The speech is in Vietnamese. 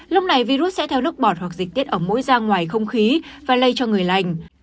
lúc này virus sẽ theo nước bọt hoặc dịch tiết ở mũi ra ngoài không khí và lây cho người lành